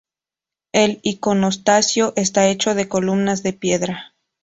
El iconostasio está hecho de columnas de piedra.